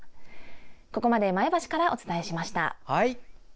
ここまで前橋からお伝えしました。